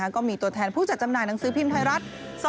ก็มีตัวแทนผู้จัดจำหน่ายหนังสือพิมพ์ไทยรัฐ